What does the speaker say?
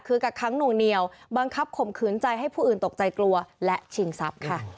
คือกักค้างหน่วงเหนียวบังคับข่มขืนใจให้ผู้อื่นตกใจกลัวและชิงทรัพย์ค่ะ